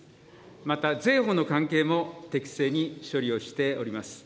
また税法の関係も適正に処理をしております。